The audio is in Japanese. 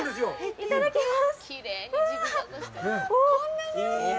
いただきます。